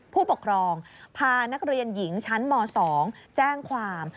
ผู้ปกครองพานักเรียนหญิงชั้นม๒แจ้งความ